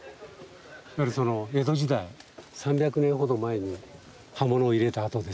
いわゆるその江戸時代３００年ほど前に刃物を入れた痕ですね。